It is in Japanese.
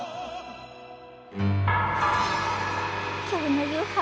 今日の夕飯